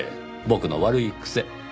僕の悪い癖。